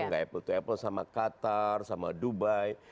nggak apple to apple sama qatar sama dubai